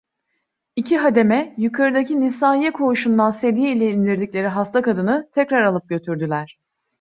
İki hademe, yukardaki nisaiye koğuşundan sedye ile indirdikleri hasta kadını tekrar alıp götürdüler.